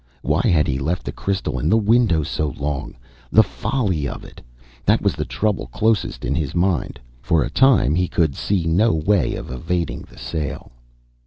"Why had he left the crystal in the window so long? The folly of it!" That was the trouble closest in his mind. For a time he could see no way of evading sale.